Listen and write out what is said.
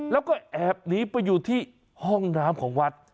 แล้วก็แอบหนีไปอยู่ที่ห้องน้ำของวัด